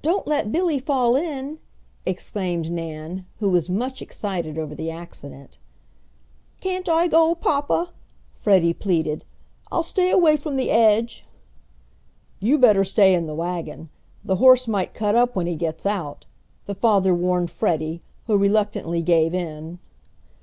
"Don't let Billy fall in!" exclaimed Nan, who was much excited over the accident. "Can't I go, papa?" Freddie pleaded. "I'll stay away from the edge!" "You better stay in the wagon; the horse might cut up when he gets out," the father warned Freddie, who reluctantly gave in.